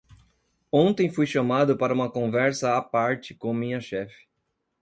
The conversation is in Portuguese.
Ontem fui chamado para uma conversa à parte com minha chefe.